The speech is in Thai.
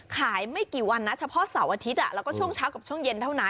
ไม่กี่วันนะเฉพาะเสาร์อาทิตย์แล้วก็ช่วงเช้ากับช่วงเย็นเท่านั้น